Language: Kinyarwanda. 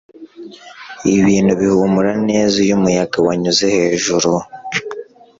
Ibintu bihumura neza iyo umuyaga wanyuze hejuru